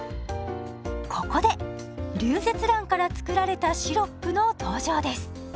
ここでリュウゼツランから作られたシロップの登場です。